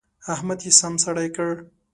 احمد يې سم سړی کړ.